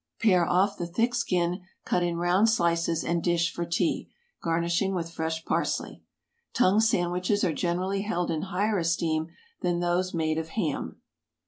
Pare off the thick skin, cut in round slices, and dish for tea, garnishing with fresh parsley. Tongue sandwiches are generally held in higher esteem than those made of ham.